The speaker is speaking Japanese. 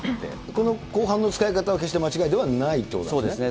この後半には決して間違いではないということですね。